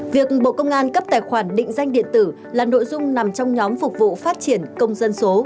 việc bộ công an cấp tài khoản định danh điện tử là nội dung nằm trong nhóm phục vụ phát triển công dân số